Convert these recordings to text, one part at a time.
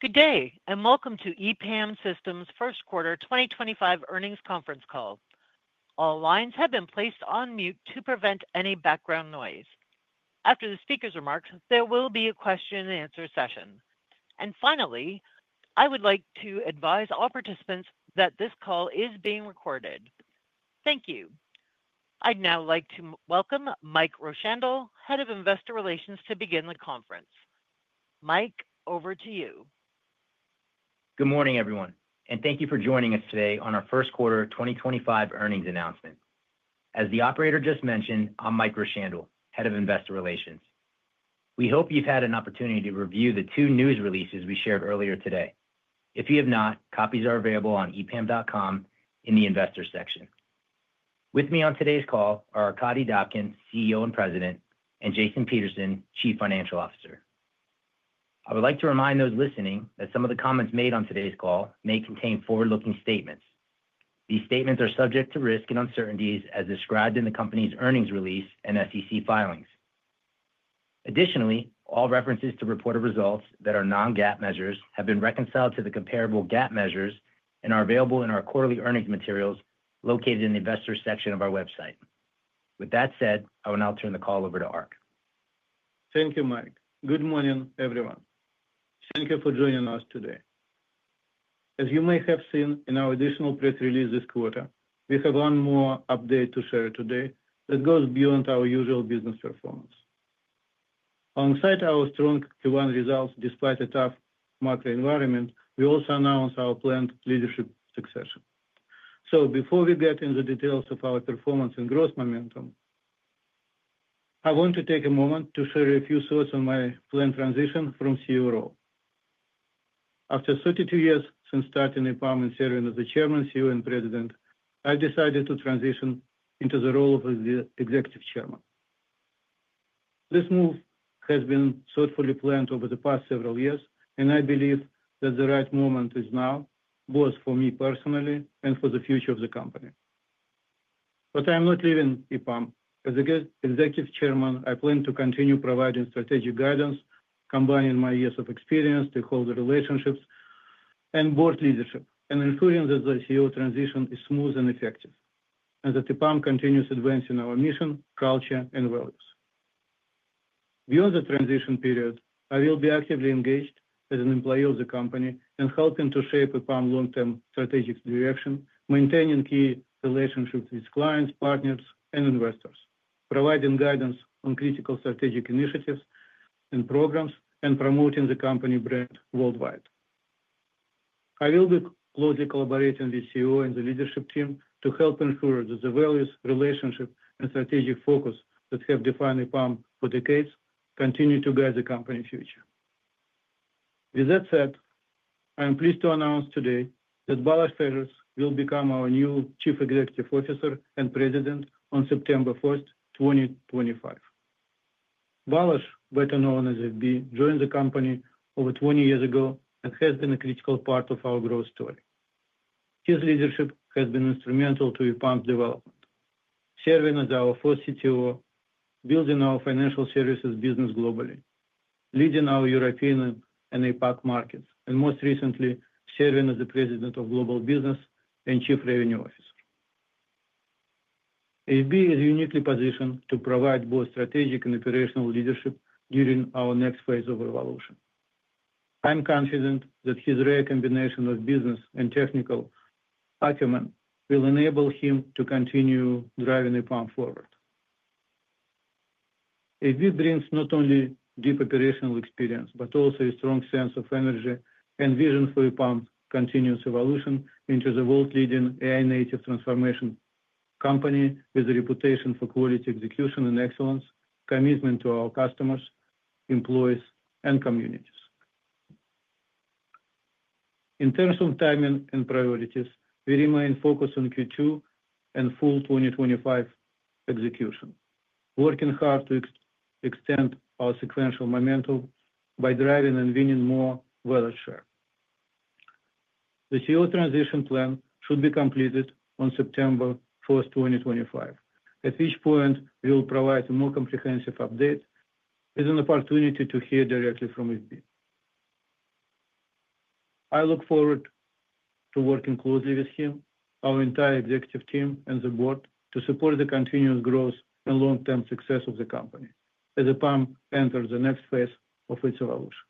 Good day, and welcome to EPAM Systems' first quarter 2025 earnings conference call. All lines have been placed on mute to prevent any background noise. After the speaker's remarks, there will be a question-and-answer session. Finally, I would like to advise all participants that this call is being recorded. Thank you. I'd now like to welcome Mike Rowshandel, Head of Investor Relations, to begin the conference. Mike, over to you. Good morning, everyone, and thank you for joining us today on our first quarter 2025 earnings announcement. As the operator just mentioned, I'm Mike Rowshandel, Head of Investor Relations. We hope you've had an opportunity to review the two news releases we shared earlier today. If you have not, copies are available on epam.com in the investor section. With me on today's call are Arkadiy Dobkin, CEO and President, and Jason Peterson, Chief Financial Officer. I would like to remind those listening that some of the comments made on today's call may contain forward-looking statements. These statements are subject to risk and uncertainties as described in the company's earnings release and SEC filings. Additionally, all references to reported results that are non-GAAP measures have been reconciled to the comparable GAAP measures and are available in our quarterly earnings materials located in the investor section of our website. With that said, I will now turn the call over to Ark. Thank you, Mike. Good morning, everyone. Thank you for joining us today. As you may have seen in our additional press release this quarter, we have one more update to share today that goes beyond our usual business performance. Alongside our strong Q1 results, despite a tough macro environment, we also announced our planned leadership succession. Before we get into the details of our performance and growth momentum, I want to take a moment to share a few thoughts on my planned transition from CEO role. After 32 years since starting EPAM and serving as the Chairman, CEO, and President, I've decided to transition into the role of Executive Chairman. This move has been thoughtfully planned over the past several years, and I believe that the right moment is now, both for me personally and for the future of the company. I am not leaving EPAM. As Executive Chairman, I plan to continue providing strategic guidance, combining my years of experience to hold the relationships and board leadership, and ensuring that the CEO transition is smooth and effective, and that EPAM continues advancing our mission, culture, and values. Beyond the transition period, I will be actively engaged as an employee of the company and helping to shape EPAM's long-term strategic direction, maintaining key relationships with clients, partners, and investors, providing guidance on critical strategic initiatives and programs, and promoting the company brand worldwide. I will be closely collaborating with CEO and the leadership team to help ensure that the values, relationship, and strategic focus that have defined EPAM for decades continue to guide the company's future. With that said, I am pleased to announce today that Balazs Fejes will become our new Chief Executive Officer and President on September 1, 2025. Balazs, better known as FB, joined the company over 20 years ago and has been a critical part of our growth story. His leadership has been instrumental to EPAM's development, serving as our fourth CTO, building our financial services business globally, leading our European and APAC markets, and most recently, serving as the President of Global Business and Chief Revenue Officer. FB is uniquely positioned to provide both strategic and operational leadership during our next phase of evolution. I'm confident that his rare combination of business and technical acumen will enable him to continue driving EPAM forward. FB brings not only deep operational experience, but also a strong sense of energy and vision for EPAM's continuous evolution into the world-leading AI-native transformation company with a reputation for quality execution and excellence, commitment to our customers, employees, and communities. In terms of timing and priorities, we remain focused on Q2 and full 2025 execution, working hard to extend our sequential momentum by driving and winning more value share. The CEO transition plan should be completed on September 1, 2025, at which point we will provide a more comprehensive update with an opportunity to hear directly from Balazs Fejes. I look forward to working closely with him, our entire executive team, and the board to support the continuous growth and long-term success of the company as EPAM enters the next phase of its evolution.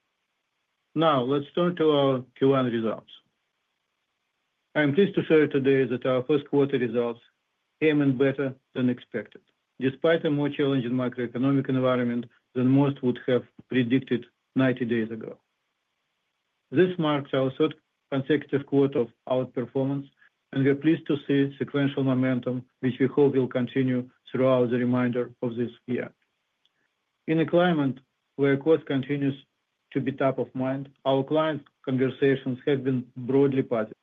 Now, let's turn to our Q1 results. I'm pleased to share today that our first quarter results came in better than expected, despite a more challenging macroeconomic environment than most would have predicted 90 days ago. This marks our third consecutive quarter of outperformance, and we're pleased to see sequential momentum, which we hope will continue throughout the remainder of this year. In a climate where cost continues to be top of mind, our client conversations have been broadly positive,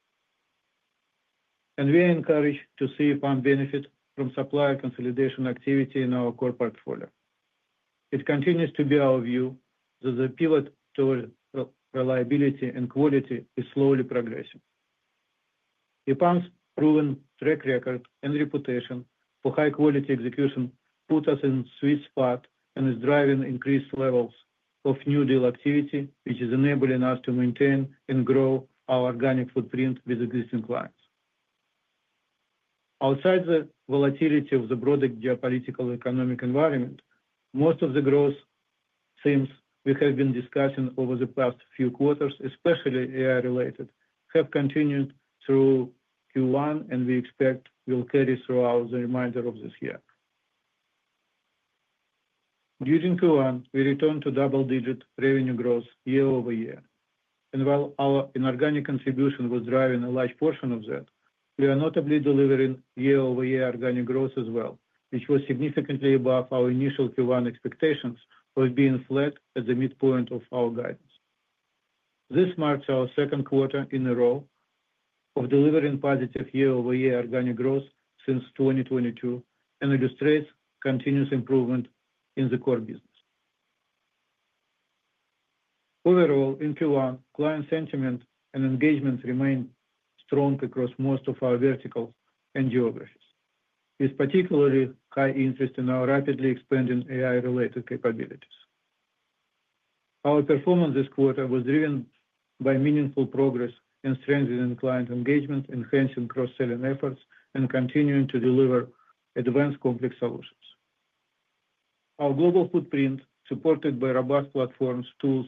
and we are encouraged to see EPAM benefit from supplier consolidation activity in our core portfolio. It continues to be our view that the pivot toward reliability and quality is slowly progressing. EPAM's proven track record and reputation for high-quality execution put us in a sweet spot and is driving increased levels of new deal activity, which is enabling us to maintain and grow our organic footprint with existing clients. Outside the volatility of the broader geopolitical economic environment, most of the growth themes we have been discussing over the past few quarters, especially AI-related, have continued through Q1, and we expect will carry throughout the remainder of this year. During Q1, we returned to double-digit revenue growth year over year, and while our inorganic contribution was driving a large portion of that, we are notably delivering year-over-year organic growth as well, which was significantly above our initial Q1 expectations of being flat at the midpoint of our guidance. This marks our second quarter in a row of delivering positive year-over-year organic growth since 2022 and illustrates continuous improvement in the core business. Overall, in Q1, client sentiment and engagement remained strong across most of our verticals and geographies, with particularly high interest in our rapidly expanding AI-related capabilities. Our performance this quarter was driven by meaningful progress in strengthening client engagement, enhancing cross-selling efforts, and continuing to deliver advanced complex solutions. Our global footprint, supported by robust platforms, tools,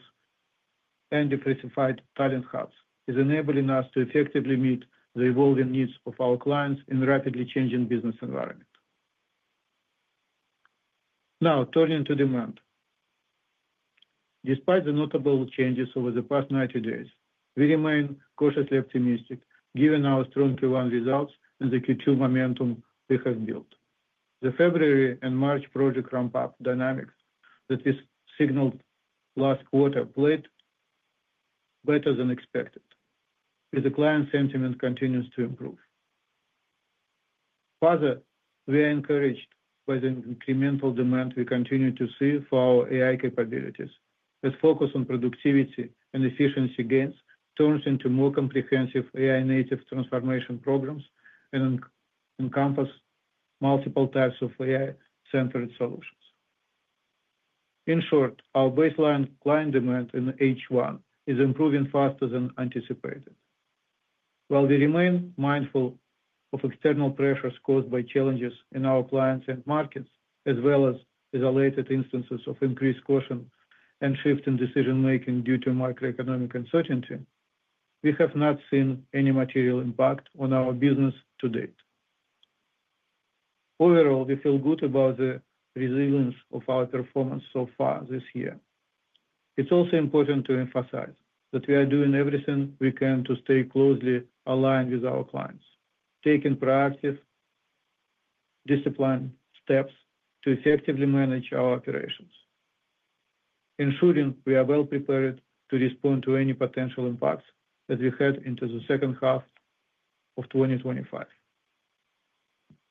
and diversified talent hubs, is enabling us to effectively meet the evolving needs of our clients in a rapidly changing business environment. Now, turning to demand. Despite the notable changes over the past 90 days, we remain cautiously optimistic, given our strong Q1 results and the Q2 momentum we have built. The February and March project ramp-up dynamics that we signaled last quarter played better than expected, with the client sentiment continuing to improve. Further, we are encouraged by the incremental demand we continue to see for our AI capabilities, as focus on productivity and efficiency gains turns into more comprehensive AI-native transformation programs and encompasses multiple types of AI-centered solutions. In short, our baseline client demand in H1 is improving faster than anticipated. While we remain mindful of external pressures caused by challenges in our clients and markets, as well as isolated instances of increased caution and shift in decision-making due to macroeconomic uncertainty, we have not seen any material impact on our business to date. Overall, we feel good about the resilience of our performance so far this year. It's also important to emphasize that we are doing everything we can to stay closely aligned with our clients, taking proactive, disciplined steps to effectively manage our operations, ensuring we are well prepared to respond to any potential impacts that we head into the second half of 2025.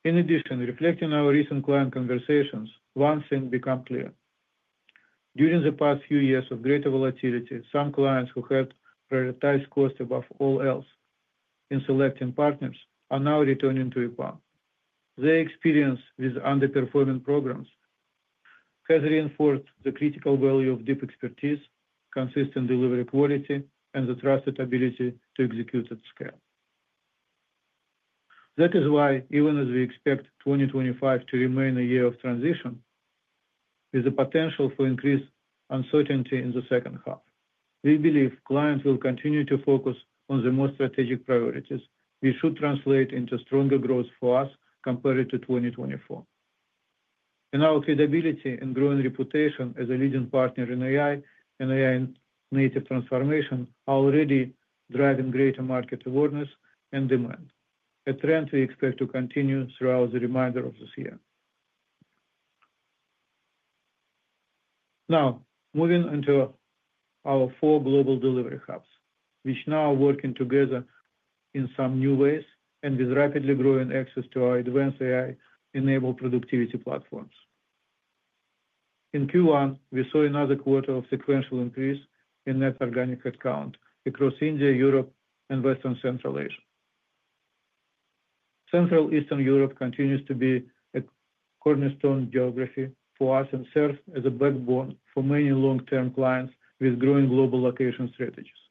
In addition, reflecting our recent client conversations, one thing becomes clear. During the past few years of greater volatility, some clients who had prioritized cost above all else in selecting partners are now returning to EPAM. Their experience with underperforming programs has reinforced the critical value of deep expertise, consistent delivery quality, and the trusted ability to execute at scale. That is why, even as we expect 2025 to remain a year of transition with the potential for increased uncertainty in the second half, we believe clients will continue to focus on the most strategic priorities, which should translate into stronger growth for us compared to 2024. Our credibility and growing reputation as a leading partner in AI and AI-native transformation are already driving greater market awareness and demand, a trend we expect to continue throughout the remainder of this year. Now, moving into our four global delivery hubs, which now are working together in some new ways and with rapidly growing access to our advanced AI-enabled productivity platforms. In Q1, we saw another quarter of sequential increase in net organic headcount across India, Europe, and Western Central Asia. Central Eastern Europe continues to be a cornerstone geography for us and serves as a backbone for many long-term clients with growing global location strategies.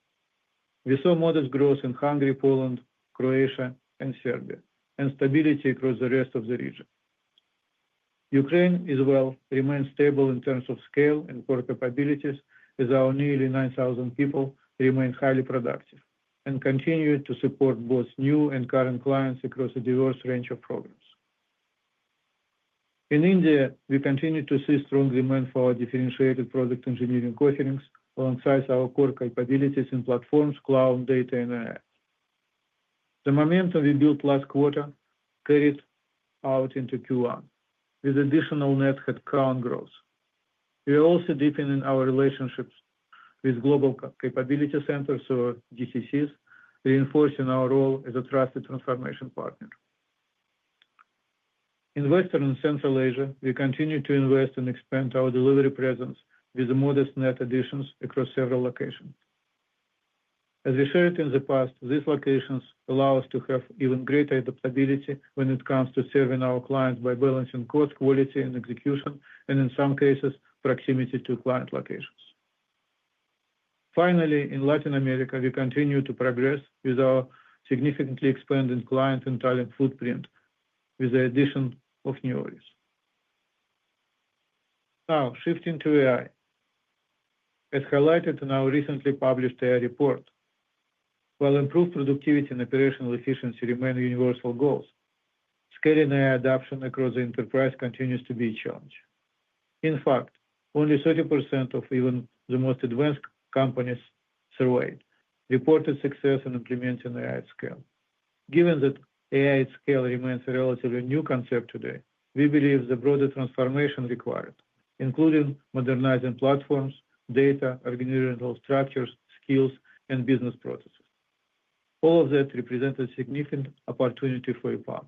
We saw modest growth in Hungary, Poland, Croatia, and Serbia, and stability across the rest of the region. Ukraine as well remains stable in terms of scale and core capabilities, as our nearly 9,000 people remain highly productive and continue to support both new and current clients across a diverse range of programs. In India, we continue to see strong demand for our differentiated product engineering offerings alongside our core capabilities in platforms, cloud, data, and AI. The momentum we built last quarter carried out into Q1 with additional net headcount growth. We are also deepening our relationships with Global Capability Centers or GCCs, reinforcing our role as a trusted transformation partner. In Western and Central Asia, we continue to invest and expand our delivery presence with modest net additions across several locations. As we shared in the past, these locations allow us to have even greater adaptability when it comes to serving our clients by balancing cost, quality, and execution, and in some cases, proximity to client locations. Finally, in Latin America, we continue to progress with our significantly expanding client and talent footprint with the addition of new areas. Now, shifting to AI. As highlighted in our recently published AI report, while improved productivity and operational efficiency remain universal goals, scaling AI adoption across the enterprise continues to be a challenge. In fact, only 30% of even the most advanced companies surveyed reported success in implementing AI at scale. Given that AI at scale remains a relatively new concept today, we believe the broader transformation required includes modernizing platforms, data, organizational structures, skills, and business processes. All of that represents a significant opportunity for EPAM.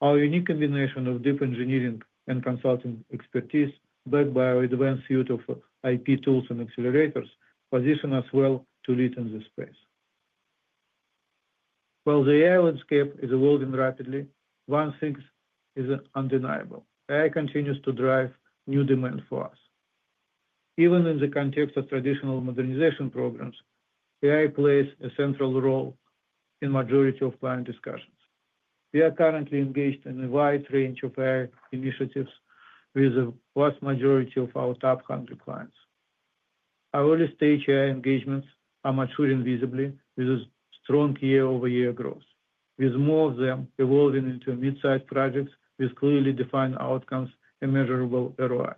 Our unique combination of deep engineering and consulting expertise, backed by our advanced suite of IP tools and accelerators, positions us well to lead in this space. While the AI landscape is evolving rapidly, one thing is undeniable: AI continues to drive new demand for us. Even in the context of traditional modernization programs, AI plays a central role in the majority of client discussions. We are currently engaged in a wide range of AI initiatives with the vast majority of our top 100 clients. Our early-stage AI engagements are maturing visibly with a strong year-over-year growth, with more of them evolving into mid-sized projects with clearly defined outcomes and measurable ROIs.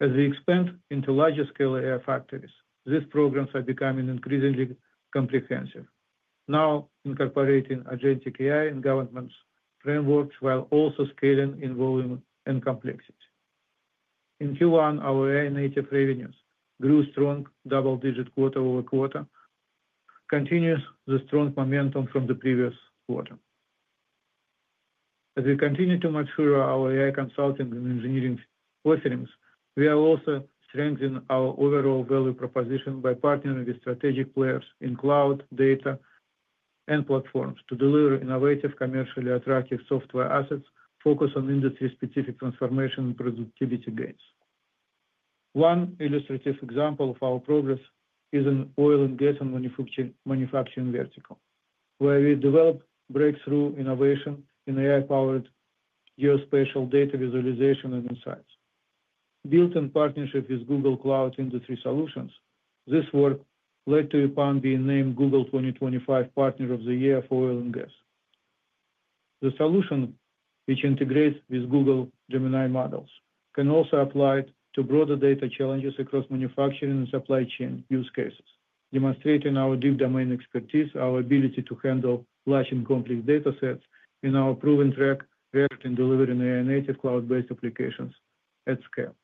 As we expand into larger-scale AI factories, these programs are becoming increasingly comprehensive, now incorporating agentic AI in government frameworks while also scaling in volume and complexity. In Q1, our AI-native revenues grew strong, double-digit quarter-over-quarter, continuing the strong momentum from the previous quarter. As we continue to mature our AI consulting and engineering offerings, we are also strengthening our overall value proposition by partnering with strategic players in cloud, data, and platforms to deliver innovative, commercially attractive software assets focused on industry-specific transformation and productivity gains. One illustrative example of our progress is in oil and gas and manufacturing verticals, where we develop breakthrough innovation in AI-powered geospatial data visualization and insights. Built in partnership with Google Cloud Industry Solutions, this work led to EPAM being named Google 2025 Partner of the Year for Oil and Gas. The solution, which integrates with Google Gemini models, can also be applied to broader data challenges across manufacturing and supply chain use cases, demonstrating our deep domain expertise, our ability to handle large and complex data sets, and our proven track record in delivering AI-native cloud-based applications at scale.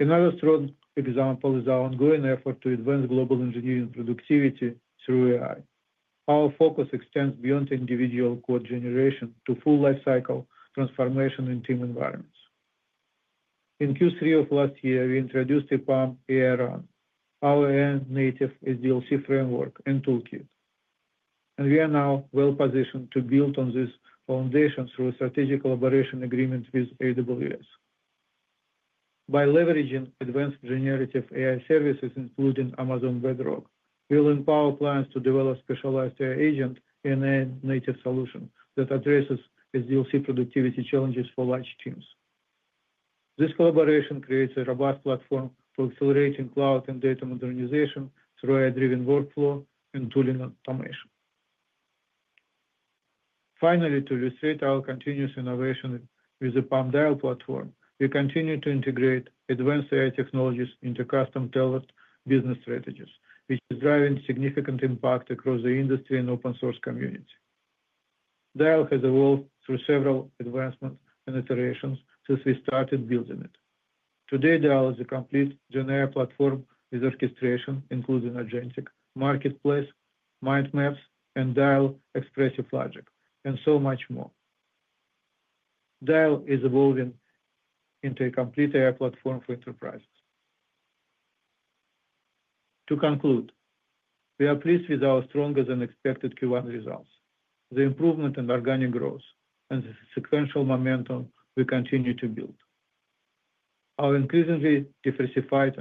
Another strong example is our ongoing effort to advance global engineering productivity through AI. Our focus extends beyond individual code generation to full lifecycle transformation in team environments. In Q3 of last year, we introduced EPAM AI Run, our AI-native SDLC framework and toolkit, and we are now well-positioned to build on this foundation through a strategic collaboration agreement with AWS. By leveraging advanced generative AI services, including Amazon Bedrock, we will empower clients to develop specialized AI agents in an AI-native solution that addresses SDLC productivity challenges for large teams. This collaboration creates a robust platform for accelerating cloud and data modernization through AI-driven workflow and tooling automation. Finally, to illustrate our continuous innovation with the EPAM Dial platform, we continue to integrate advanced AI technologies into custom-tailored business strategies, which is driving significant impact across the industry and open-source community. Dial has evolved through several advancements and iterations since we started building it. Today, Dial is a complete generative AI platform with orchestration, including agentic marketplace, mind maps, and Dial expressive logic, and so much more. Dial is evolving into a complete AI platform for enterprises. To conclude, we are pleased with our stronger-than-expected Q1 results, the improvement in organic growth, and the sequential momentum we continue to build. Our increasingly diversified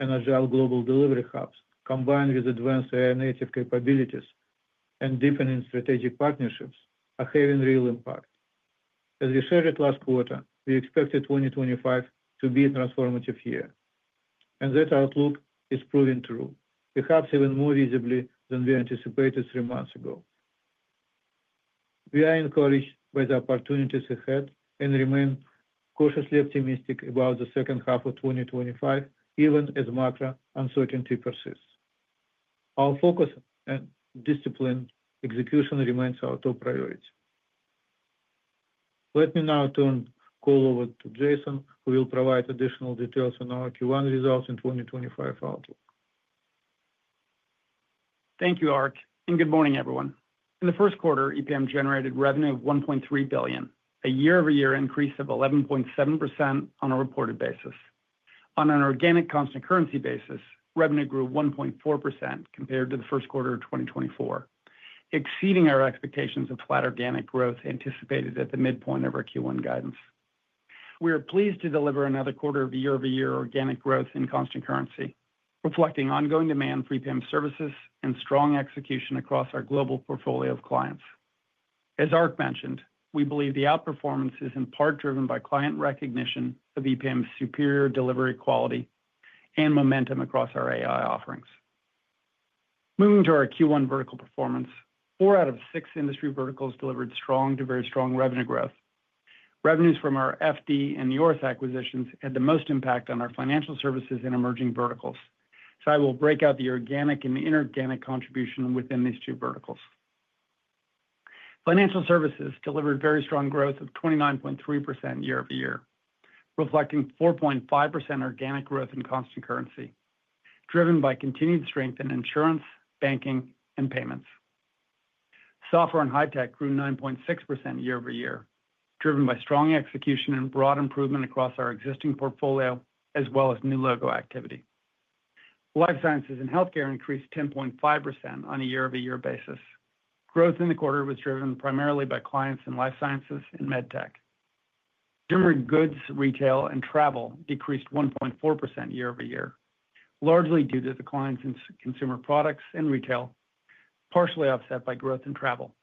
and agile global delivery hubs, combined with advanced AI-native capabilities and deepening strategic partnerships, are having a real impact. As we shared last quarter, we expected 2025 to be a transformative year, and that outlook is proving true, perhaps even more visibly than we anticipated three months ago. We are encouraged by the opportunities ahead and remain cautiously optimistic about the second half of 2025, even as macro uncertainty persists. Our focus and disciplined execution remain our top priority. Let me now turn the call over to Jason, who will provide additional details on our Q1 results and 2025 outlook. Thank you, Art. Good morning, everyone. In the first quarter, EPAM generated revenue of $1.3 billion, a year-over-year increase of 11.7% on a reported basis. On an organic constant currency basis, revenue grew 1.4% compared to the first quarter of 2024, exceeding our expectations of flat organic growth anticipated at the midpoint of our Q1 guidance. We are pleased to deliver another quarter of year-over-year organic growth in constant currency, reflecting ongoing demand for EPAM services and strong execution across our global portfolio of clients. As Art mentioned, we believe the outperformance is in part driven by client recognition of EPAM's superior delivery quality and momentum across our AI offerings. Moving to our Q1 vertical performance, four out of six industry verticals delivered strong, very strong revenue growth. Revenues from our FD and the Neoris acquisitions had the most impact on our financial services and emerging verticals. I will break out the organic and inorganic contribution within these two verticals. Financial services delivered very strong growth of 29.3% year-over-year, reflecting 4.5% organic growth in constant currency, driven by continued strength in insurance, banking, and payments. Software and high-tech grew 9.6% year-over-year, driven by strong execution and broad improvement across our existing portfolio, as well as new logo activity. Life sciences and healthcare increased 10.5% on a year-over-year basis. Growth in the quarter was driven primarily by clients in life sciences and med tech. German goods, retail, and travel decreased 1.4% year-over-year, largely due to the clients in consumer products and retail, partially offset by growth in travel.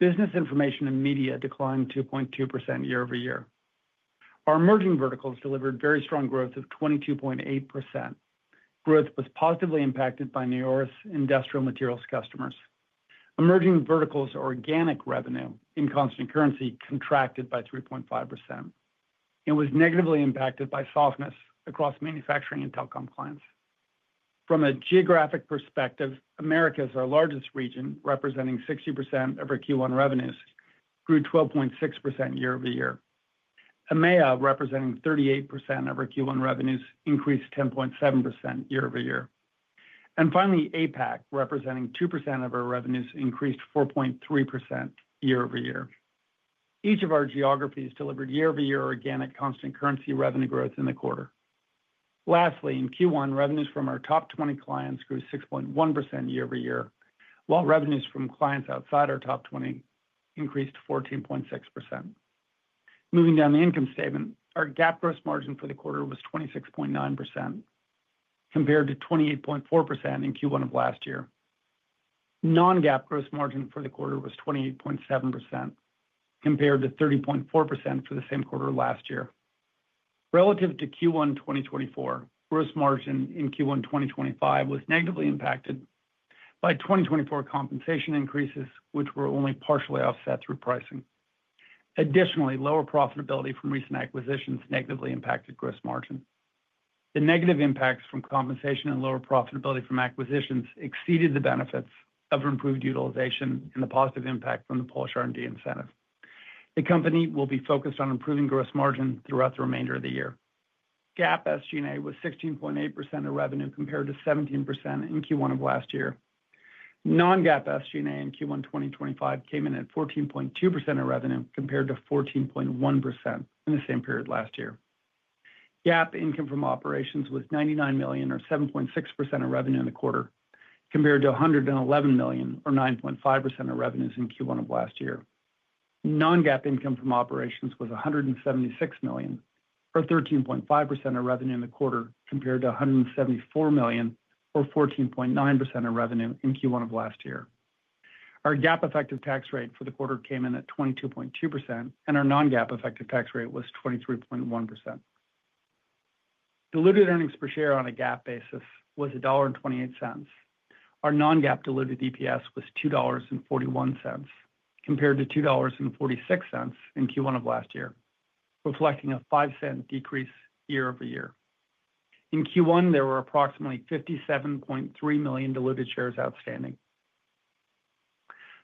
Business information and media declined 2.2% year-over-year. Our emerging verticals delivered very strong growth of 22.8%. Growth was positively impacted by Neoris Industrial Materials customers. Emerging verticals' organic revenue in constant currency contracted by 3.5% and was negatively impacted by softness across manufacturing and telecom clients. From a geographic perspective, Americas, our largest region, representing 60% of our Q1 revenues, grew 12.6% year-over-year. AMEA, representing 38% of our Q1 revenues, increased 10.7% year-over-year. Finally, APAC, representing 2% of our revenues, increased 4.3% year-over-year. Each of our geographies delivered year-over-year organic constant currency revenue growth in the quarter. Lastly, in Q1, revenues from our top 20 clients grew 6.1% year-over-year, while revenues from clients outside our top 20 increased 14.6%. Moving down the income statement, our GAAP gross margin for the quarter was 26.9%, compared to 28.4% in Q1 of last year. Non-GAAP gross margin for the quarter was 28.7%, compared to 30.4% for the same quarter last year. Relative to Q1 2024, gross margin in Q1 2025 was negatively impacted by 2024 compensation increases, which were only partially offset through pricing. Additionally, lower profitability from recent acquisitions negatively impacted gross margin. The negative impacts from compensation and lower profitability from acquisitions exceeded the benefits of improved utilization and the positive impact from the Polish R&D incentive. The company will be focused on improving gross margin throughout the remainder of the year. GAAP SG&A was 16.8% of revenue, compared to 17% in Q1 of last year. Non-GAAP SG&A in Q1 2025 came in at 14.2% of revenue, compared to 14.1% in the same period last year. GAAP income from operations was $99 million, or 7.6% of revenue in the quarter, compared to $111 million, or 9.5% of revenue in Q1 of last year. Non-GAAP income from operations was $176 million, or 13.5% of revenue in the quarter, compared to $174 million, or 14.9% of revenue in Q1 of last year. Our GAAP effective tax rate for the quarter came in at 22.2%, and our non-GAAP effective tax rate was 23.1%. Diluted earnings per share on a GAAP basis was $1.28. Our non-GAAP diluted EPS was $2.41, compared to $2.46 in Q1 of last year, reflecting a 5% decrease year-over-year. In Q1, there were approximately 57.3 million diluted shares outstanding.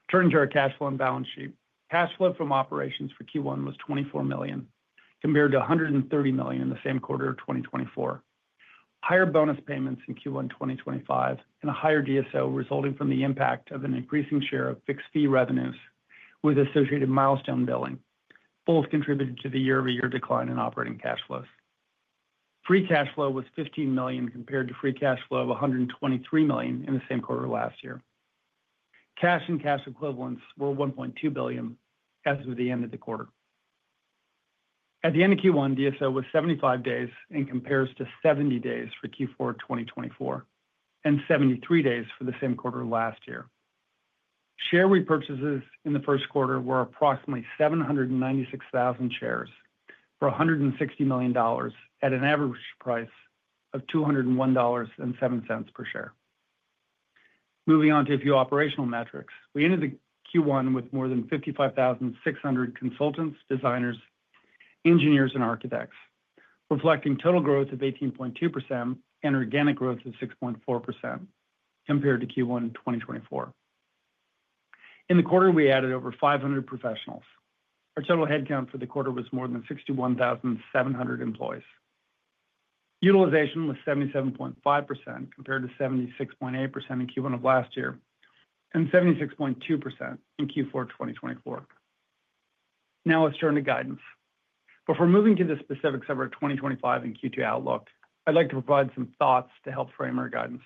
Turning to our cash flow and balance sheet, cash flow from operations for Q1 was $24 million, compared to $130 million in the same quarter of 2024. Higher bonus payments in Q1 2025 and a higher DSO resulting from the impact of an increasing share of fixed fee revenues with associated milestone billing, both contributed to the year-over-year decline in operating cash flows. Free cash flow was $15 million, compared to free cash flow of $123 million in the same quarter last year. Cash and cash equivalents were $1.2 billion as of the end of the quarter. At the end of Q1, DSO was 75 days and compares to 70 days for Q4 2024 and 73 days for the same quarter last year. Share repurchases in the first quarter were approximately 796,000 shares for $160 million at an average price of $201.07 per share. Moving on to a few operational metrics, we ended the Q1 with more than 55,600 consultants, designers, engineers, and architects, reflecting total growth of 18.2% and organic growth of 6.4% compared to Q1 2024. In the quarter, we added over 500 professionals. Our total headcount for the quarter was more than 61,700 employees. Utilization was 77.5% compared to 76.8% in Q1 of last year and 76.2% in Q4 2024. Now let's turn to guidance. Before moving to the specifics of our 2025 and Q2 outlook, I'd like to provide some thoughts to help frame our guidance.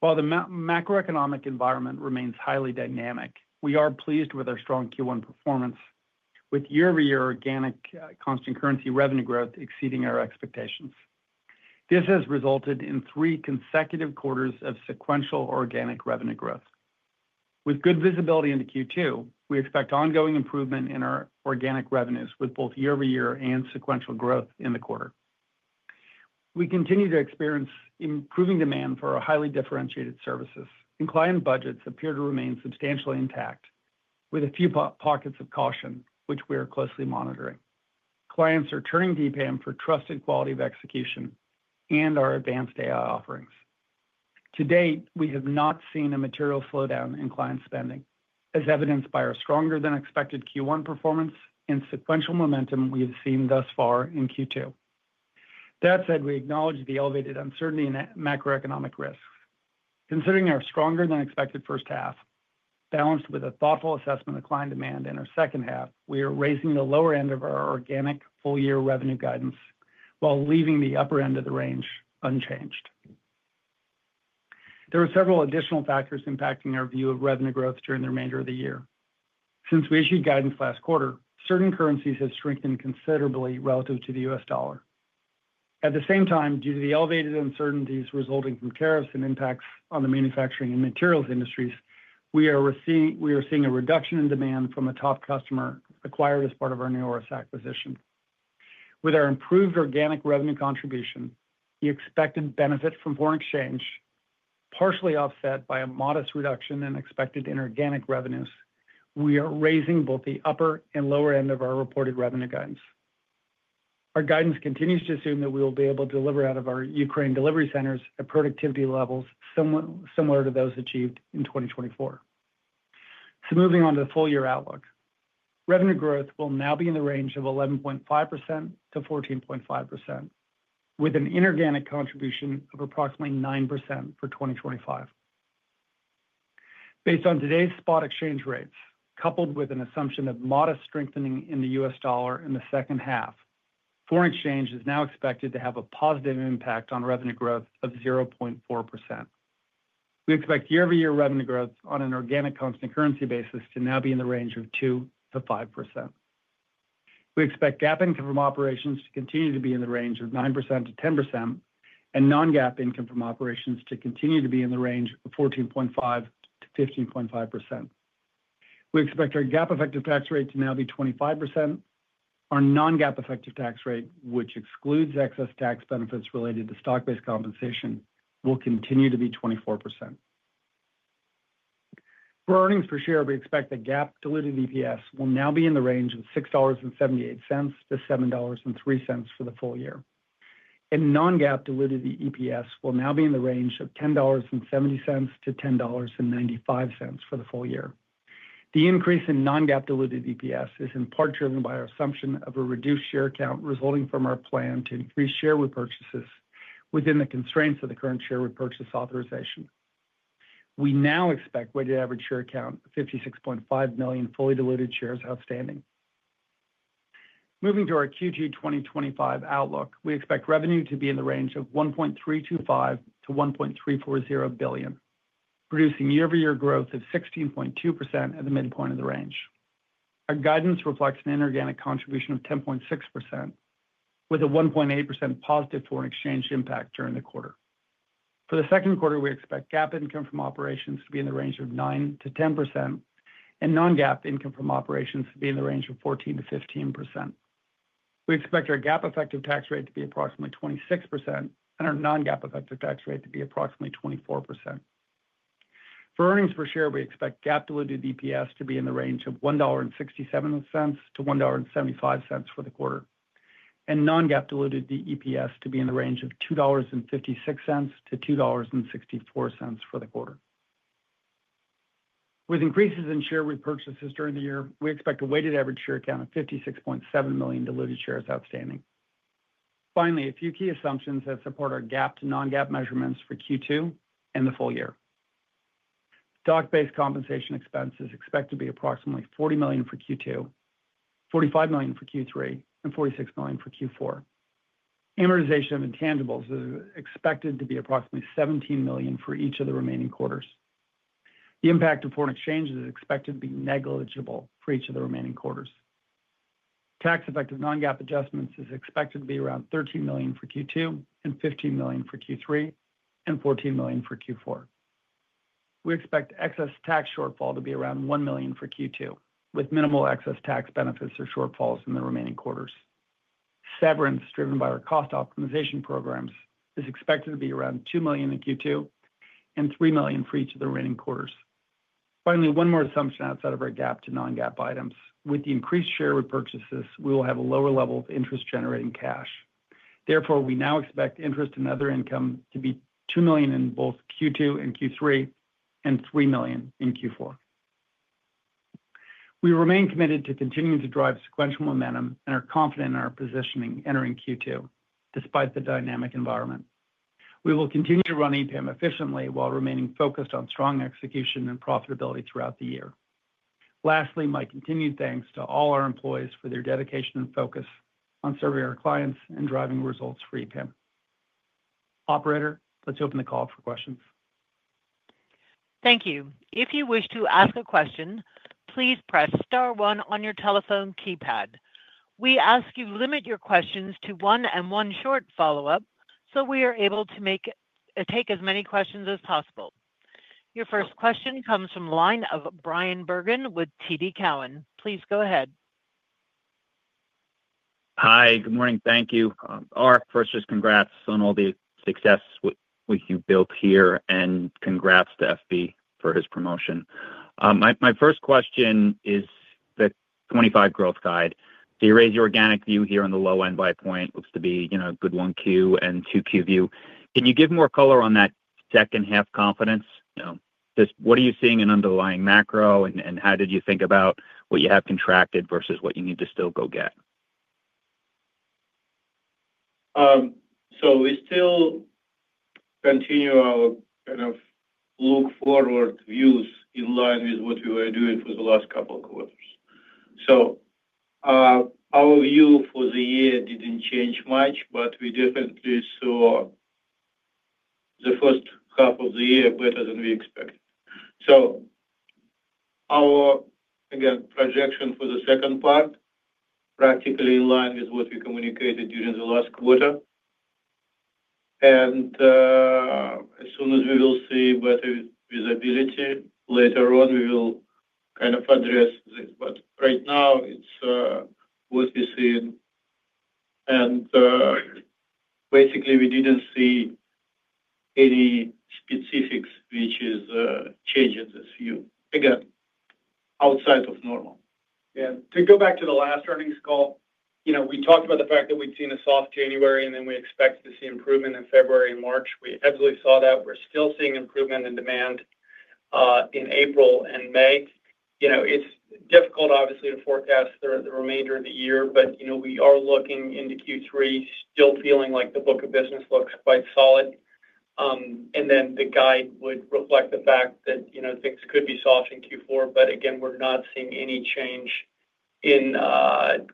While the macroeconomic environment remains highly dynamic, we are pleased with our strong Q1 performance, with year-over-year organic constant currency revenue growth exceeding our expectations. This has resulted in three consecutive quarters of sequential organic revenue growth. With good visibility into Q2, we expect ongoing improvement in our organic revenues with both year-over-year and sequential growth in the quarter. We continue to experience improving demand for our highly differentiated services, and client budgets appear to remain substantially intact, with a few pockets of caution, which we are closely monitoring. Clients are turning to EPAM for trusted quality of execution and our advanced AI offerings. To date, we have not seen a material slowdown in client spending, as evidenced by our stronger-than-expected Q1 performance and sequential momentum we have seen thus far in Q2. That said, we acknowledge the elevated uncertainty and macroeconomic risks. Considering our stronger-than-expected first half, balanced with a thoughtful assessment of client demand in our second half, we are raising the lower end of our organic full-year revenue guidance while leaving the upper end of the range unchanged. There are several additional factors impacting our view of revenue growth during the remainder of the year. Since we issued guidance last quarter, certain currencies have strengthened considerably relative to the US dollar. At the same time, due to the elevated uncertainties resulting from tariffs and impacts on the manufacturing and materials industries, we are seeing a reduction in demand from a top customer acquired as part of our Neoris acquisition. With our improved organic revenue contribution, the expected benefit from foreign exchange, partially offset by a modest reduction in expected inorganic revenues, we are raising both the upper and lower end of our reported revenue guidance. Our guidance continues to assume that we will be able to deliver out of our Ukraine delivery centers at productivity levels similar to those achieved in 2024. Moving on to the full-year outlook, revenue growth will now be in the range of 11.5%-14.5%, with an inorganic contribution of approximately 9% for 2025. Based on today's spot exchange rates, coupled with an assumption of modest strengthening in the US dollar in the second half, foreign exchange is now expected to have a positive impact on revenue growth of 0.4%. We expect year-over-year revenue growth on an organic constant currency basis to now be in the range of 2%-5%. We expect GAAP income from operations to continue to be in the range of 9%-10%, and non-GAAP income from operations to continue to be in the range of 14.5%-15.5%. We expect our GAAP effective tax rate to now be 25%. Our non-GAAP effective tax rate, which excludes excess tax benefits related to stock-based compensation, will continue to be 24%. For earnings per share, we expect the GAAP diluted EPS will now be in the range of $6.78-$7.03 for the full year. Non-GAAP diluted EPS will now be in the range of $10.70-$10.95 for the full year. The increase in non-GAAP diluted EPS is in part driven by our assumption of a reduced share count resulting from our plan to increase share repurchases within the constraints of the current share repurchase authorization. We now expect weighted average share count of 56.5 million fully diluted shares outstanding. Moving to our Q2 2025 outlook, we expect revenue to be in the range of $1.325 billion-$1.340 billion, producing year-over-year growth of 16.2% at the midpoint of the range. Our guidance reflects an inorganic contribution of 10.6%, with a 1.8% positive foreign exchange impact during the quarter. For the second quarter, we expect GAAP income from operations to be in the range of 9%-10%, and non-GAAP income from operations to be in the range of 14%-15%. We expect our GAAP effective tax rate to be approximately 26% and our non-GAAP effective tax rate to be approximately 24%. For earnings per share, we expect GAAP diluted EPS to be in the range of $1.67-$1.75 for the quarter, and non-GAAP diluted EPS to be in the range of $2.56-$2.64 for the quarter. With increases in share repurchases during the year, we expect a weighted average share count of 56.7 million diluted shares outstanding. Finally, a few key assumptions that support our GAAP to non-GAAP measurements for Q2 and the full year. Stock-based compensation expenses expect to be approximately $40 million for Q2, $45 million for Q3, and $46 million for Q4. Amortization of intangibles is expected to be approximately $17 million for each of the remaining quarters. The impact of foreign exchange is expected to be negligible for each of the remaining quarters. Tax-effective non-GAAP adjustments is expected to be around $13 million for Q2 and $15 million for Q3 and $14 million for Q4. We expect excess tax shortfall to be around $1 million for Q2, with minimal excess tax benefits or shortfalls in the remaining quarters. Severance driven by our cost optimization programs is expected to be around $2 million in Q2 and $3 million for each of the remaining quarters. Finally, one more assumption outside of our GAAP to non-GAAP items. With the increased share repurchases, we will have a lower level of interest-generating cash. Therefore, we now expect interest and other income to be $2 million in both Q2 and Q3 and $3 million in Q4. We remain committed to continuing to drive sequential momentum and are confident in our positioning entering Q2 despite the dynamic environment. We will continue to run EPAM efficiently while remaining focused on strong execution and profitability throughout the year. Lastly, my continued thanks to all our employees for their dedication and focus on serving our clients and driving results for EPAM. Operator, let's open the call for questions. Thank you. If you wish to ask a question, please press star one on your telephone keypad. We ask you limit your questions to one and one short follow-up so we are able to take as many questions as possible. Your first question comes from line of Bryan Bergin with TD Cowen. Please go ahead. Hi, good morning. Thank you. Ark, first, just congrats on all the success with what you've built here and congrats to BF for his promotion. My first question is the 2025 growth guide. So you raise your organic view here on the low end by a point. Looks to be a good Q1 and 2Q view. Can you give more color on that second half confidence? No, just what are you seeing in underlying macro and how did you think about what you have contracted versus what you need to still go get? We still continue our kind of look forward views in line with what we were doing for the last couple of quarters. Our view for the year did not change much, but we definitely saw the first half of the year better than we expected. Our, again, projection for the second part is practically in line with what we communicated during the last quarter. As soon as we see better visibility later on, we will kind of address this. Right now, it is what we see. Basically, we did not see any specifics which is changing this view, again, outside of normal. Yeah. To go back to the last earnings call, we talked about the fact that we had seen a soft January and then we expected to see improvement in February and March. We absolutely saw that. We're still seeing improvement in demand in April and May. It's difficult, obviously, to forecast the remainder of the year, but we are looking into Q3, still feeling like the book of business looks quite solid. The guide would reflect the fact that things could be soft in Q4, but again, we're not seeing any change in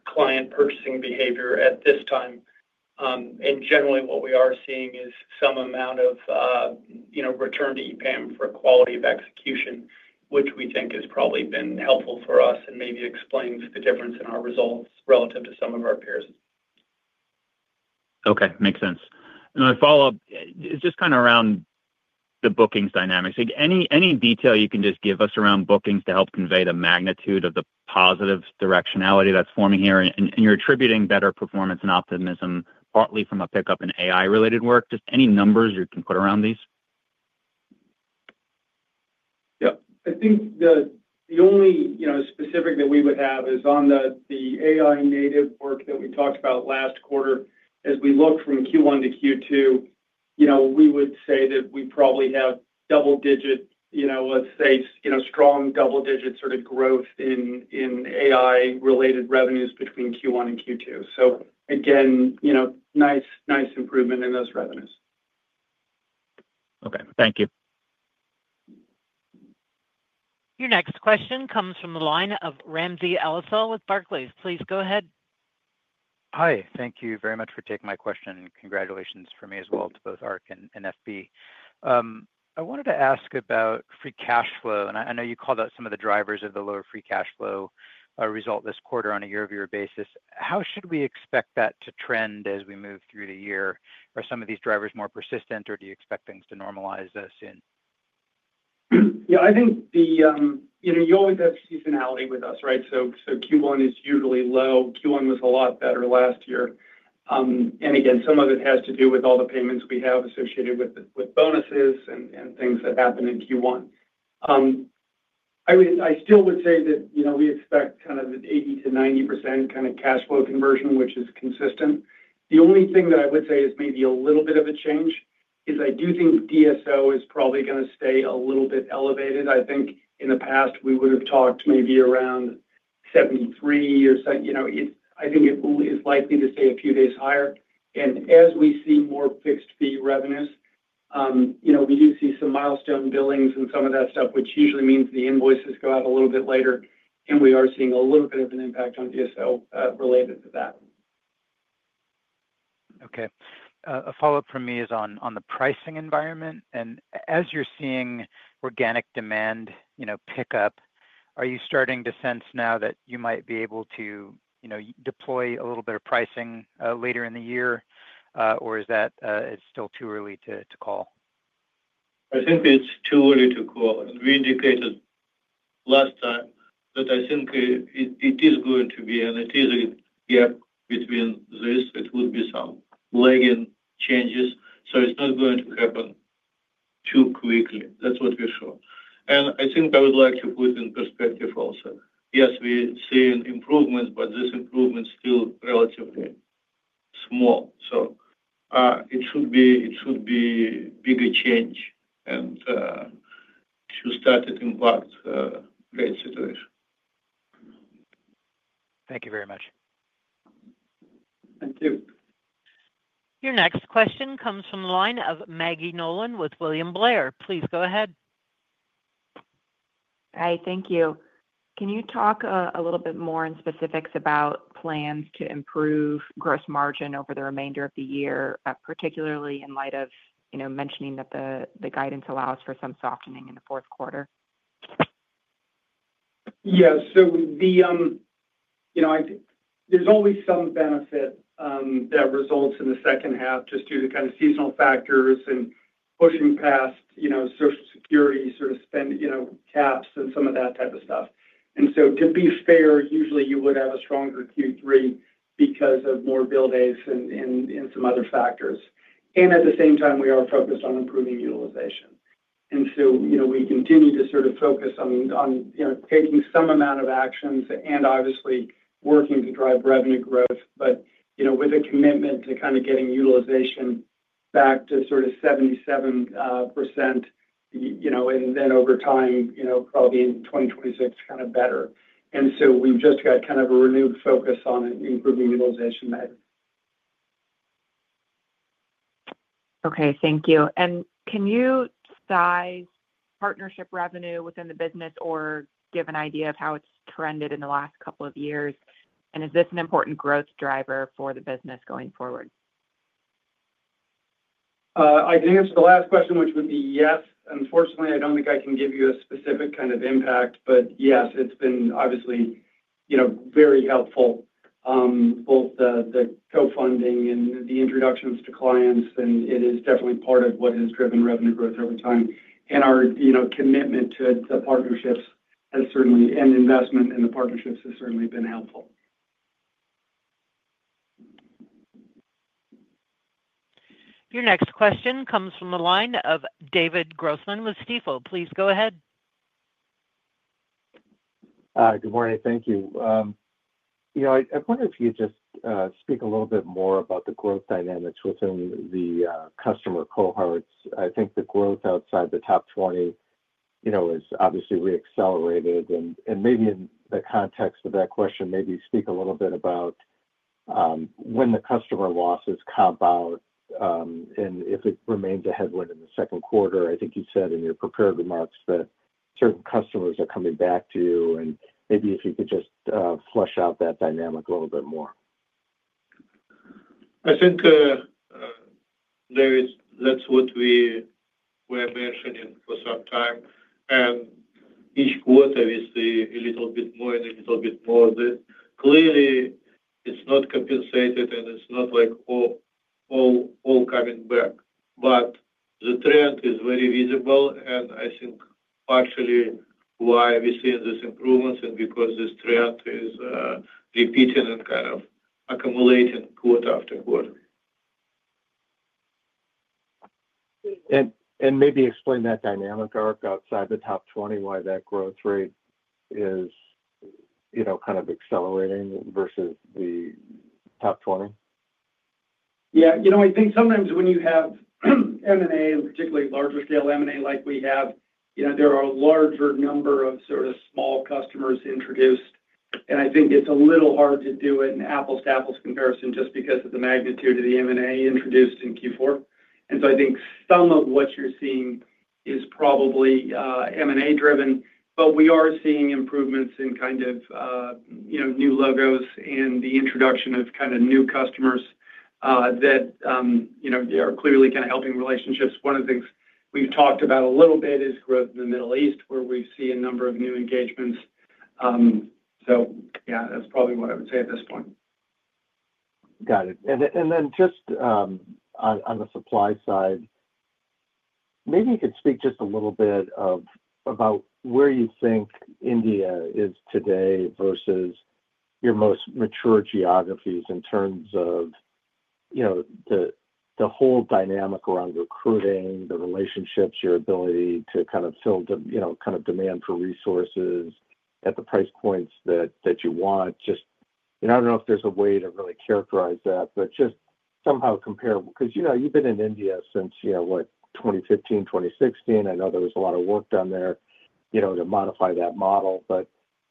client purchasing behavior at this time. Generally, what we are seeing is some amount of return to EPAM for quality of execution, which we think has probably been helpful for us and maybe explains the difference in our results relative to some of our peers. Okay. Makes sense. My follow-up is just kind of around the bookings dynamics. Any detail you can just give us around bookings to help convey the magnitude of the positive directionality that's forming here? You're attributing better performance and optimism partly from a pickup in AI-related work. Just any numbers you can put around these? Yep. I think the only specific that we would have is on the AI-native work that we talked about last quarter. As we look from Q1 to Q2, we would say that we probably have double-digit, let's say, strong double-digit sort of growth in AI-related revenues between Q1 and Q2. Nice improvement in those revenues. Thank you. Your next question comes from the line of Ramsey El-Assal with Barclays. Please go ahead. Hi. Thank you very much for taking my question. Congratulations for me as well to both Arkadiy and Balazs. I wanted to ask about free cash flow. I know you called out some of the drivers of the lower free cash flow result this quarter on a year-over-year basis. How should we expect that to trend as we move through the year? Are some of these drivers more persistent, or do you expect things to normalize soon? Yeah. I think you always have seasonality with us, right? Q1 is usually low. Q1 was a lot better last year. Again, some of it has to do with all the payments we have associated with bonuses and things that happen in Q1. I still would say that we expect kind of an 80-90% kind of cash flow conversion, which is consistent. The only thing that I would say is maybe a little bit of a change is I do think DSO is probably going to stay a little bit elevated. I think in the past, we would have talked maybe around 73 or something. I think it is likely to stay a few days higher. As we see more fixed fee revenues, we do see some milestone billings and some of that stuff, which usually means the invoices go out a little bit later. We are seeing a little bit of an impact on DSO related to that. Okay. A follow-up from me is on the pricing environment. As you're seeing organic demand pick up, are you starting to sense now that you might be able to deploy a little bit of pricing later in the year, or is that still too early to call? I think it's too early to call. We indicated last time that I think it is going to be, and it is a gap between this. It would be some lagging changes. It's not going to happen too quickly. That's what we're sure. I think I would like to put in perspective also. Yes, we're seeing improvements, but this improvement is still relatively small. It should be a bigger change and should start to impact the great situation. Thank you very much. Thank you. Your next question comes from the line of Maggie Nolan with William Blair. Please go ahead. Hi. Thank you. Can you talk a little bit more in specifics about plans to improve gross margin over the remainder of the year, particularly in light of mentioning that the guidance allows for some softening in the fourth quarter? Yeah. There is always some benefit that results in the second half just due to kind of seasonal factors and pushing past Social Security sort of caps and some of that type of stuff. To be fair, usually you would have a stronger Q3 because of more bill days and some other factors. At the same time, we are focused on improving utilization. We continue to sort of focus on taking some amount of actions and obviously working to drive revenue growth, but with a commitment to kind of getting utilization back to sort of 77%. Over time, probably in 2026, kind of better. We have just got kind of a renewed focus on improving utilization there. Okay. Thank you. Can you size partnership revenue within the business or give an idea of how it has trended in the last couple of years? Is this an important growth driver for the business going forward? I think it is the last question, which would be yes. Unfortunately, I do not think I can give you a specific kind of impact, but yes, it has been obviously very helpful, both the co-funding and the introductions to clients. It is definitely part of what has driven revenue growth over time. Our commitment to the partnerships has certainly, and investment in the partnerships has certainly been helpful. Your next question comes from the line of David Grossman with Stifel. Please go ahead. Good morning. Thank you. I wonder if you could just speak a little bit more about the growth dynamics within the customer cohorts. I think the growth outside the top 20 has obviously reaccelerated. Maybe in the context of that question, maybe speak a little bit about when the customer losses compound and if it remains a headwind in the second quarter. I think you said in your prepared remarks that certain customers are coming back to you. Maybe if you could just flush out that dynamic a little bit more. I think that's what we were mentioning for some time. Each quarter, we see a little bit more and a little bit more. Clearly, it's not compensated, and it's not like all coming back. The trend is very visible. I think partially why we're seeing these improvements is because this trend is repeating and kind of accumulating quarter after quarter. Maybe explain that dynamic, Arc, outside the top 20, why that growth rate is kind of accelerating versus the top 20. Yeah. I think sometimes when you have M&A, particularly larger scale M&A like we have, there are a larger number of sort of small customers introduced. I think it's a little hard to do an apples-to-apples comparison just because of the magnitude of the M&A introduced in Q4. I think some of what you're seeing is probably M&A driven. We are seeing improvements in kind of new logos and the introduction of kind of new customers that are clearly kind of helping relationships. One of the things we've talked about a little bit is growth in the Middle East, where we see a number of new engagements. Yeah, that's probably what I would say at this point. Got it. Just on the supply side, maybe you could speak just a little bit about where you think India is today versus your most mature geographies in terms of the whole dynamic around recruiting, the relationships, your ability to kind of fill kind of demand for resources at the price points that you want. I don't know if there's a way to really characterize that, but just somehow compare. Because you've been in India since, what, 2015, 2016. I know there was a lot of work done there to modify that model.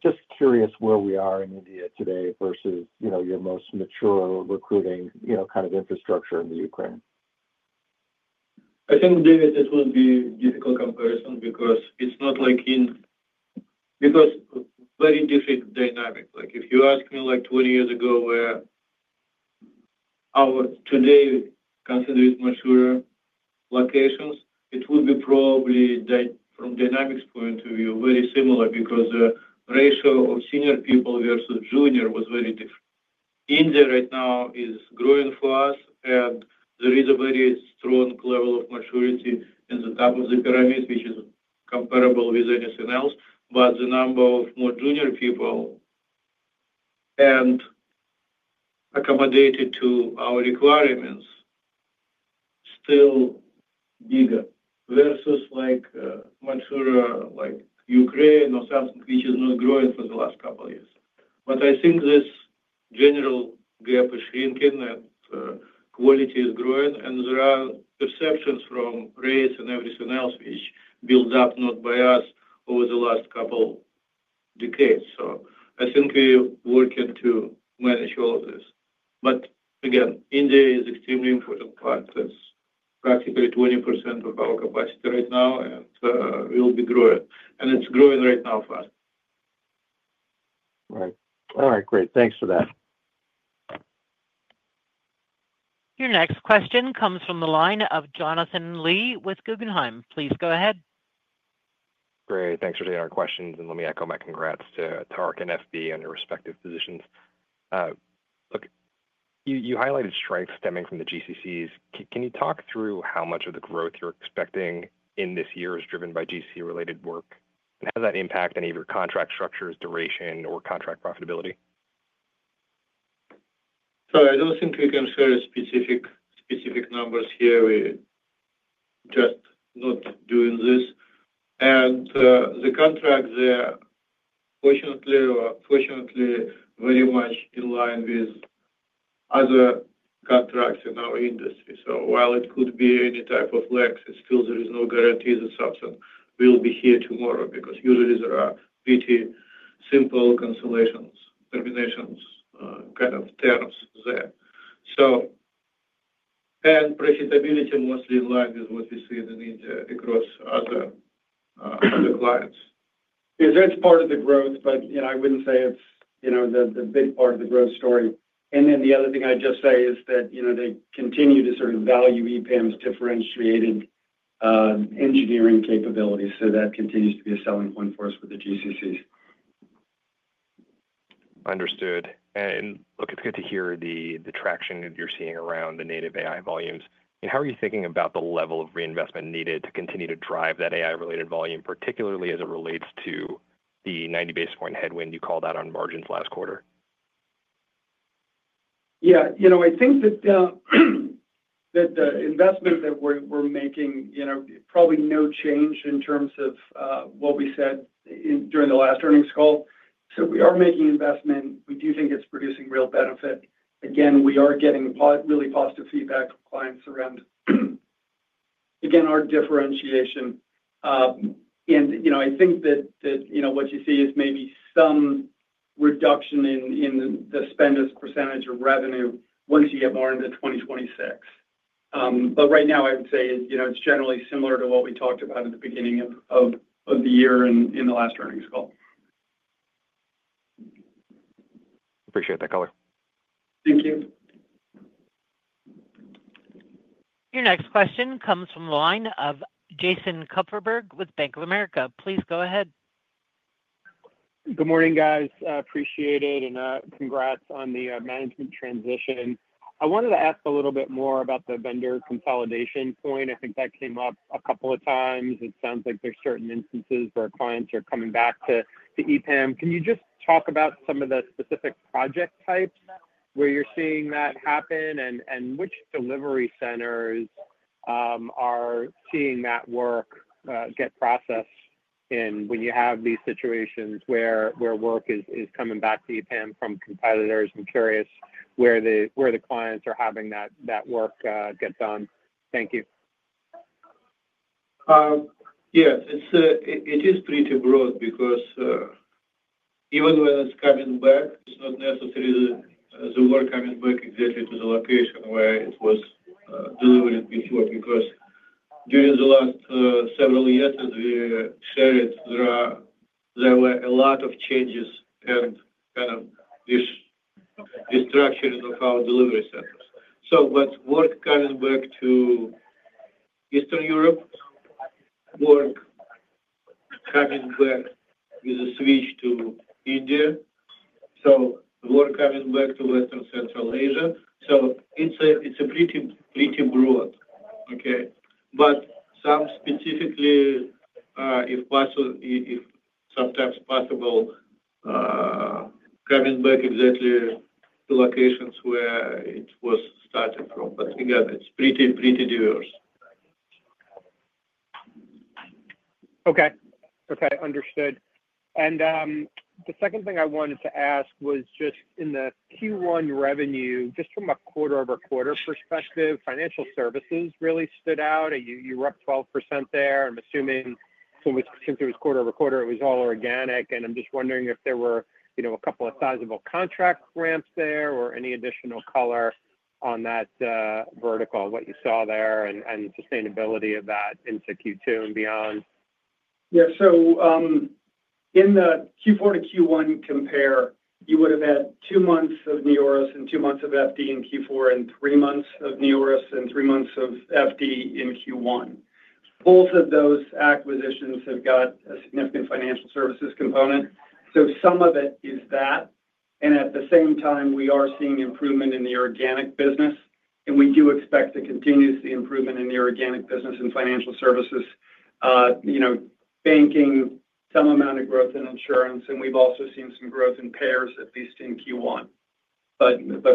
Just curious where we are in India today versus your most mature recruiting kind of infrastructure in Ukraine. I think, David, this would be a difficult comparison because it's not like in, because very different dynamics. If you ask me like 20 years ago where our today considered mature locations, it would be probably from dynamics point of view, very similar because the ratio of senior people versus junior was very different. India right now is growing for us, and there is a very strong level of maturity in the top of the pyramid, which is comparable with anything else. The number of more junior people and accommodated to our requirements is still bigger versus mature like Ukraine or something, which is not growing for the last couple of years. I think this general gap is shrinking, and quality is growing. There are perceptions from race and everything else, which build up not by us over the last couple of decades. I think we are working to manage all of this. Again, India is an extremely important part. It is practically 20% of our capacity right now, and we will be growing. It is growing right now fast. All right. Great. Thanks for that. Your next question comes from the line of Jonathan Lee with Guggenheim. Please go ahead. Great. Thanks for taking our questions. Let me echo my congrats to Tark and FB on your respective positions. Look, you highlighted strikes stemming from the GCCs. Can you talk through how much of the growth you are expecting in this year is driven by GCC-related work? How does that impact any of your contract structures, duration, or contract profitability? I do not think we can share specific numbers here. We are just not doing this. The contract, fortunately, is very much in line with other contracts in our industry. While it could be any type of lex, there is no guarantee that something will be here tomorrow because usually there are pretty simple consolations, terminations, kind of terms there. Profitability is mostly in line with what we see in India across other clients. That is part of the growth, but I would not say it is the big part of the growth story. The other thing I would just say is that they continue to sort of value EPAM's differentiated engineering capabilities. That continues to be a selling point for us with the GCCs. Understood. Look, it's good to hear the traction that you're seeing around the native AI volumes. How are you thinking about the level of reinvestment needed to continue to drive that AI-related volume, particularly as it relates to the 90 basis point headwind you called out on margins last quarter? Yeah. I think that the investment that we're making, probably no change in terms of what we said during the last earnings call. We are making investment. We do think it's producing real benefit. Again, we are getting really positive feedback from clients around, again, our differentiation. I think that what you see is maybe some reduction in the spend percentage of revenue once you get more into 2026. Right now, I would say it's generally similar to what we talked about at the beginning of the year in the last earnings call. Appreciate that, Color. Thank you. Your next question comes from the line of Jason Kupferberg with Bank of America. Please go ahead. Good morning, guys. Appreciate it. And congrats on the management transition. I wanted to ask a little bit more about the vendor consolidation point. I think that came up a couple of times. It sounds like there are certain instances where clients are coming back to EPAM. Can you just talk about some of the specific project types where you're seeing that happen and which delivery centers are seeing that work get processed when you have these situations where work is coming back to EPAM from competitors? I'm curious where the clients are having that work get done. Thank you. It is pretty broad because even when it's coming back, it's not necessarily the work coming back exactly to the location where it was delivered before because during the last several years as we shared, there were a lot of changes and kind of restructuring of our delivery centers. With work coming back to Eastern Europe, work coming back with a switch to India, work coming back to Western Central Asia, it's pretty broad, okay? Some specifically, if sometimes possible, coming back exactly to locations where it was started from. Again, it's pretty diverse. Okay. Understood. The second thing I wanted to ask was just in the Q1 revenue, just from a quarter-over-quarter perspective, financial services really stood out. You were up 12% there. I'm assuming since it was quarter-over-quarter, it was all organic. I'm just wondering if there were a couple of sizable contract ramps there or any additional color on that vertical, what you saw there and sustainability of that into Q2 and beyond. Yeah. In the Q4 to Q1 compare, you would have had two months of Neoris and two months of FD in Q4 and three months of Neoris and three months of FD in Q1. Both of those acquisitions have got a significant financial services component. Some of it is that. At the same time, we are seeing improvement in the organic business. We do expect to continue to see improvement in the organic business and financial services, banking, some amount of growth in insurance. We've also seen some growth in payers, at least in Q1.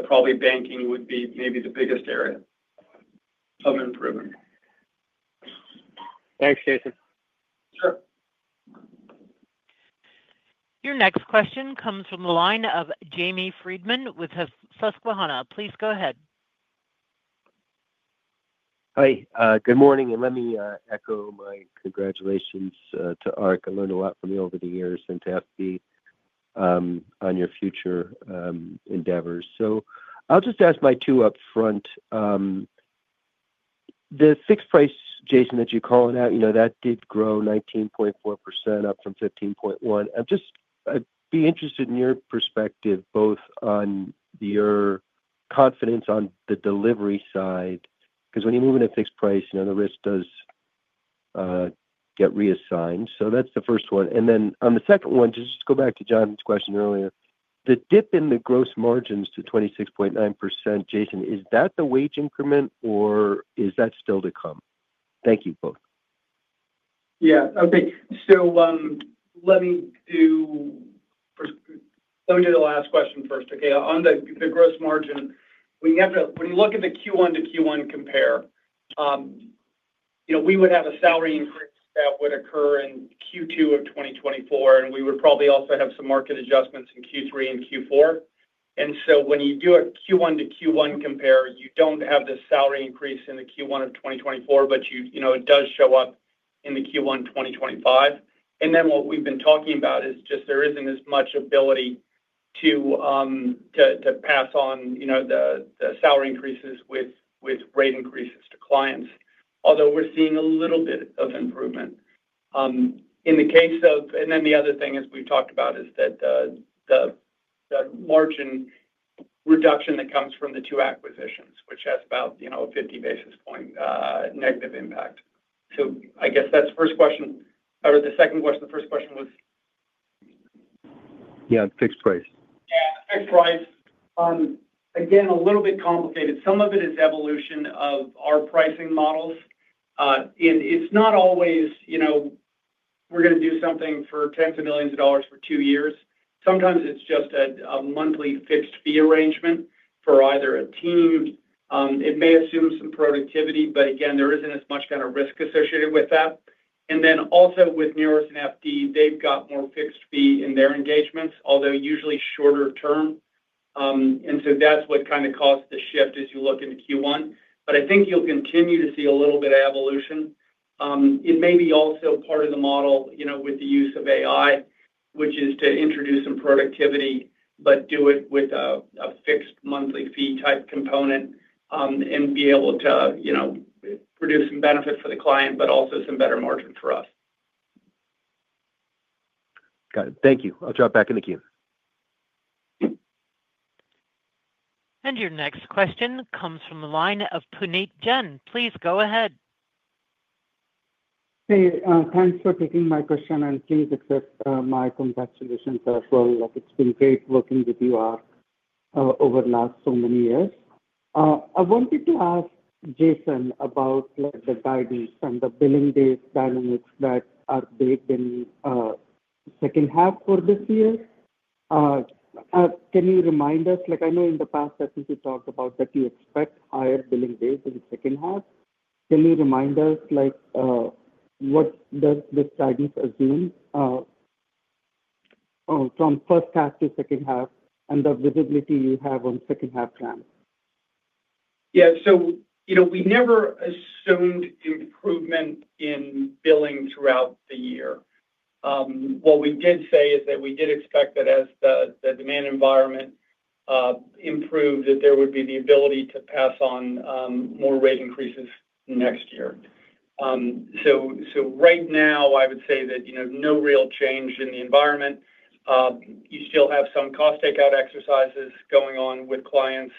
Probably banking would be maybe the biggest area of improvement. Thanks, Jason. Sure. Your next question comes from the line of Jamie Friedman with Susquehanna. Please go ahead. Hi. Good morning. Let me echo my congratulations to Ark. I learned a lot from you over the years and to FB on your future endeavors. I'll just ask my two upfront. The fixed price, Jason, that you're calling out, that did grow 19.4% up from 15.1%. I'd be interested in your perspective, both on your confidence on the delivery side, because when you move into fixed price, the risk does get reassigned. That's the first one. On the second one, just go back to Jonathan's question earlier. The dip in the gross margins to 26.9%, Jason, is that the wage increment, or is that still to come? Thank you both. Yeah. Okay. Let me do the last question first, okay? On the gross margin, when you look at the Q1 to Q1 compare, we would have a salary increase that would occur in Q2 of 2024, and we would probably also have some market adjustments in Q3 and Q4. When you do a Q1 to Q1 compare, you do not have the salary increase in the Q1 of 2024, but it does show up in the Q1 2025. What we have been talking about is just there is not as much ability to pass on the salary increases with rate increases to clients, although we are seeing a little bit of improvement. In the case of, and then the other thing as we have talked about is that the margin reduction that comes from the two acquisitions, which has about a 50 basis point negative impact. I guess that is the first question. Or the second question, the first question was. Yeah, the fixed price. Again, a little bit complicated. Some of it is evolution of our pricing models. It's not always we're going to do something for tens of millions of dollars for two years. Sometimes it's just a monthly fixed fee arrangement for either a team. It may assume some productivity, but again, there isn't as much kind of risk associated with that. Also with Neoris and FD, they've got more fixed fee in their engagements, although usually shorter term. That's what kind of caused the shift as you look into Q1. I think you'll continue to see a little bit of evolution. It may be also part of the model with the use of AI, which is to introduce some productivity, but do it with a fixed monthly fee type component and be able to produce some benefit for the client, but also some better margin for us. Got it. Thank you. I'll drop back into queue. Your next question comes from the line of Puneet Jain. Please go ahead. Hey, thanks for taking my question, and please accept my congratulations as well. It's been great working with you over the last so many years. I wanted to ask Jason about the guidance and the billing days dynamics that are baked in the second half for this year. Can you remind us? I know in the past, I think you talked about that you expect higher billing days in the second half. Can you remind us what does this guidance assume from first half to second half and the visibility you have on second half dynamics? Yeah. We never assumed improvement in billing throughout the year. What we did say is that we did expect that as the demand environment improved, that there would be the ability to pass on more rate increases next year. Right now, I would say that no real change in the environment. You still have some cost takeout exercises going on with clients.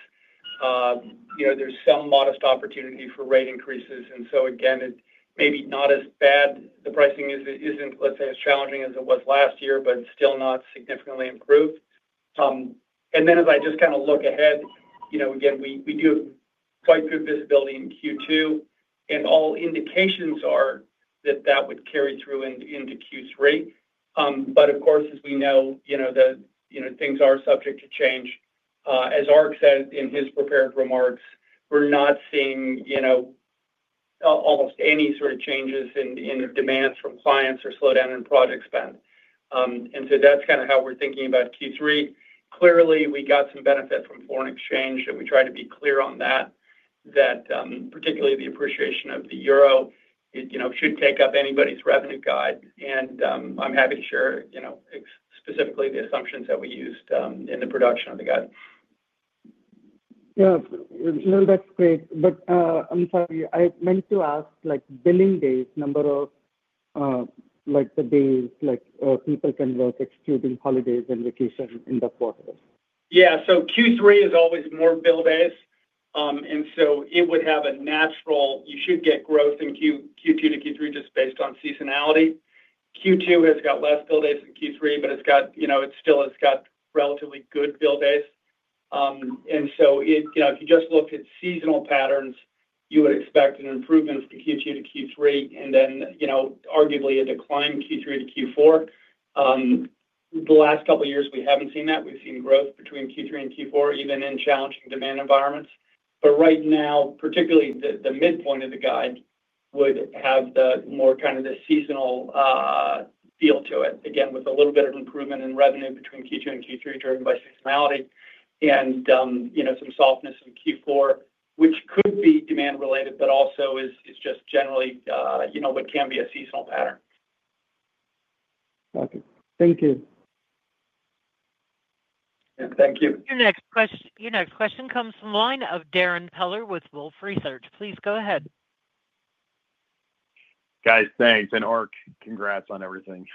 There's some modest opportunity for rate increases. Again, it may be not as bad. The pricing isn't, let's say, as challenging as it was last year, but it's still not significantly improved. As I just kind of look ahead, again, we do have quite good visibility in Q2. All indications are that that would carry through into Q3. Of course, as we know, things are subject to change. As Ark said in his prepared remarks, we're not seeing almost any sort of changes in demands from clients or slowdown in project spend. That's kind of how we're thinking about Q3. Clearly, we got some benefit from foreign exchange, and we tried to be clear on that, that particularly the appreciation of the euro should take up anybody's revenue guide. I'm happy to share specifically the assumptions that we used in the production of the guide. Yeah. No, that's great. I'm sorry. I meant to ask billing days, number of the days people can work excluding holidays and vacation in the quarter. Yeah. Q3 is always more bill days. It would have a natural, you should get growth in Q2 to Q3 just based on seasonality. Q2 has got less bill days than Q3, but it has still got relatively good bill days. If you just look at seasonal patterns, you would expect an improvement from Q2 to Q3 and then arguably a decline in Q3 to Q4. The last couple of years, we have not seen that. We have seen growth between Q3 and Q4, even in challenging demand environments. Right now, particularly the midpoint of the guide would have more of the seasonal feel to it, again, with a little bit of improvement in revenue between Q2 and Q3 driven by seasonality and some softness in Q4, which could be demand related, but also is just generally what can be a seasonal pattern. Okay. Thank you. Thank you. Your next question comes from the line of Darrin Peller with Wolfe Research. Please go ahead. Guys, thanks. And Ark, congrats on everything.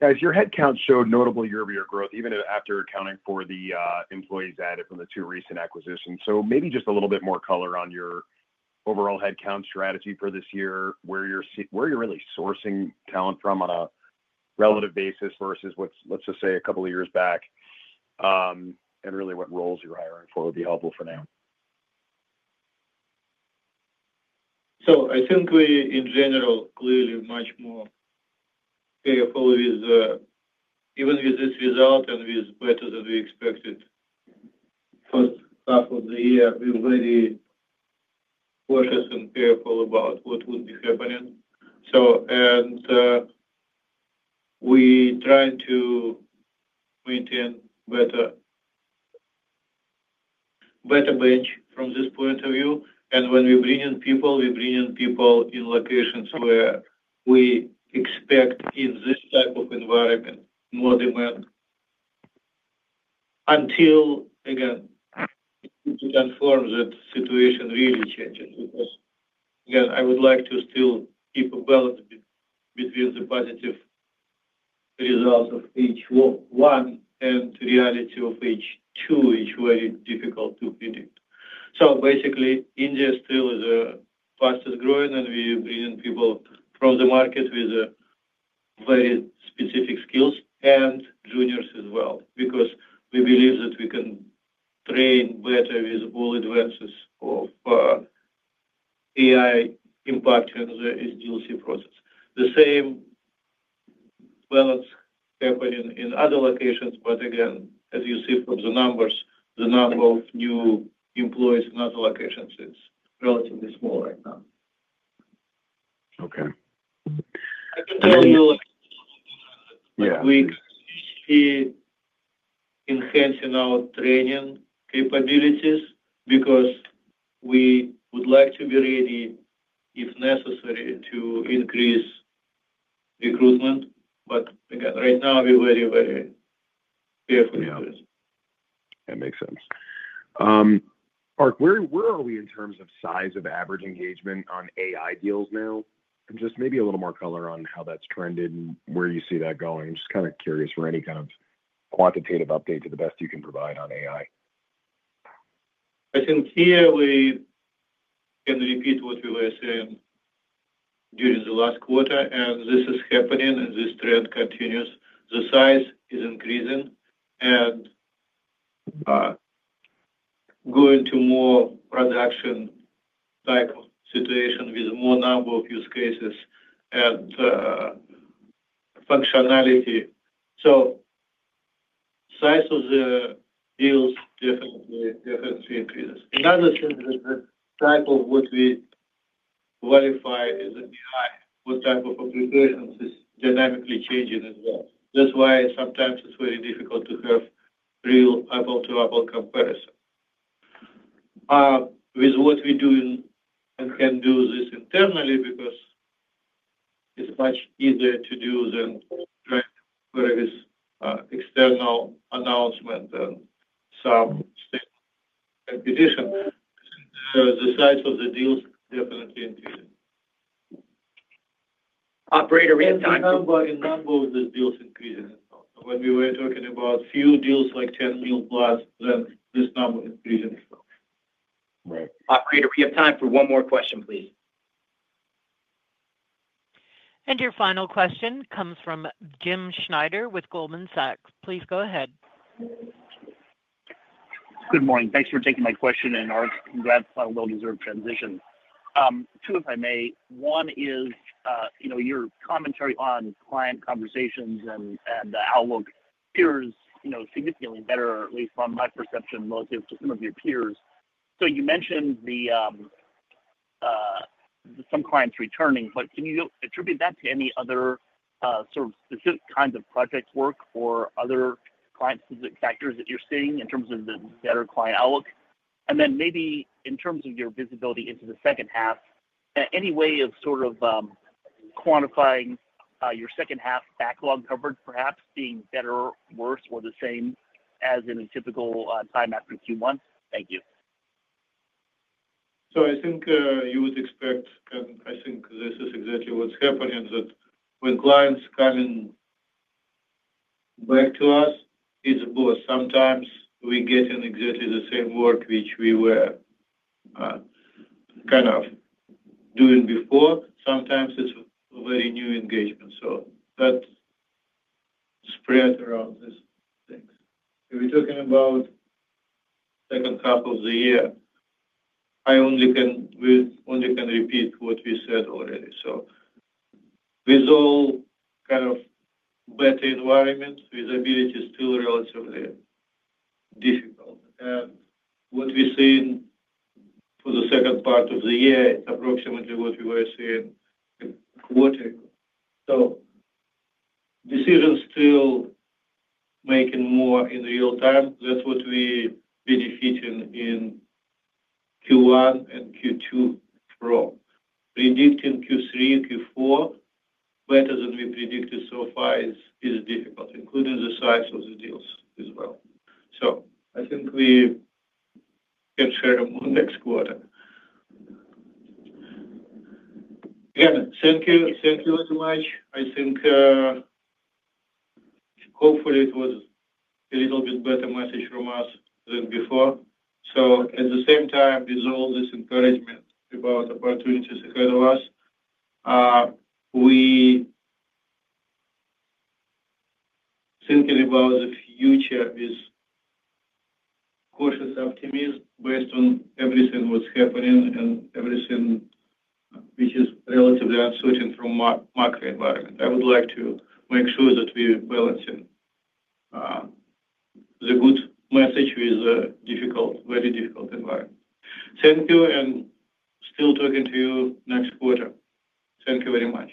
Guys, your headcount showed notable year-over-year growth, even after accounting for the employees added from the two recent acquisitions. Maybe just a little bit more color on your overall headcount strategy for this year, where you're really sourcing talent from on a relative basis versus, let's just say, a couple of years back, and really what roles you're hiring for would be helpful for now. I think we, in general, are clearly much more careful even with this result and with better than we expected first half of the year. We're very cautious and careful about what would be happening. We're trying to maintain better bench from this point of view. When we're bringing people, we're bringing people in locations where we expect in this type of environment more demand until, again, we can form that situation really changes. Because again, I would like to still keep a balance between the positive results of H1 and the reality of H2, which is very difficult to predict. Basically, India still is the fastest growing, and we are bringing people from the market with very specific skills and juniors as well because we believe that we can train better with all advances of AI impacting the SDLC process. The same balance happening in other locations, but again, as you see from the numbers, the number of new employees in other locations, it's relatively small right now. I can tell you that we see enhancing our training capabilities because we would like to be ready, if necessary, to increase recruitment. Again, right now, we're very, very careful with this. That makes sense. Ark, where are we in terms of size of average engagement on AI deals now? And just maybe a little more color on how that's trended and where you see that going. Just kind of curious for any kind of quantitative update to the best you can provide on AI. I think here we can repeat what we were saying during the last quarter, and this is happening, and this trend continues. The size is increasing and going to more production type situation with more number of use cases and functionality. So size of the deals definitely increases. Another thing is the type of what we qualify as AI, what type of applications is dynamically changing as well. That's why sometimes it's very difficult to have real apples-to-apple comparison. With what we do and can do this internally because it's much easier to do than trying to put out this external announcement and some state competition. The size of the deals definitely increases. Operator, we have time. And number of the deals increasing. When we were talking about few deals like $10 million plus, then this number increasing as well. Right. Operator, we have time for one more question, please. Your final question comes from Jim Schneider with Goldman Sachs. Please go ahead. Good morning. Thanks for taking my question. Ark, congrats on a well-deserved transition. Two if I may. One is your commentary on client conversations and the outlook appears significantly better, at least from my perception, relative to some of your peers. You mentioned some clients returning, but can you attribute that to any other sort of specific kinds of project work or other client-specific factors that you're seeing in terms of the better client outlook? Maybe in terms of your visibility into the second half, any way of sort of quantifying your second half backlog coverage, perhaps being better, worse, or the same as in a typical time after a few months? Thank you. I think you would expect, I think this is exactly what's happening, that when clients come back to us, it's both. Sometimes we get in exactly the same work which we were kind of doing before. Sometimes it's a very new engagement. That's spread around these things. We're talking about second half of the year. I only can repeat what we said already. With all kind of better environments, visibility is still relatively difficult. What we're seeing for the second part of the year is approximately what we were seeing quarterly. Decisions are still being made more in real time. That's what we're benefiting in Q1 and Q2 from. Predicting Q3 and Q4 better than we predicted so far is difficult, including the size of the deals as well. I think we can share more next quarter. Again, thank you very much. I think hopefully it was a little bit better message from us than before. At the same time, with all this encouragement about opportunities ahead of us, we are thinking about the future with cautious optimism based on everything that's happening and everything which is relatively uncertain from the macro environment. I would like to make sure that we're balancing the good message with a very difficult environment. Thank you. Still talking to you next quarter. Thank you very much.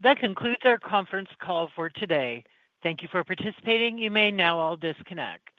That concludes our conference call for today. Thank you for participating. You may now all disconnect.